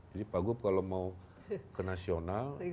jadi pak gu kalau mau ke nasional